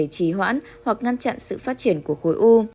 để trí hoãn hoặc ngăn chặn sự phát triển của khối u